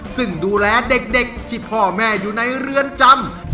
ซึ่งดูแลเด็กที่พ่อแม่อยู่ในเรือนจำ